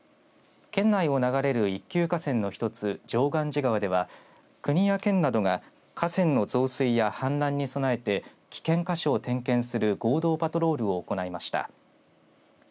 県内を流れる１級河川の１つ常願寺川では国や県などが河川の増水や氾濫に備えて危険箇所を点検する合同パトロールを行いました。